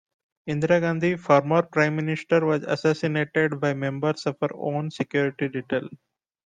Indira Gandhi, former Prime Minister was assassinated by members of her own security detail.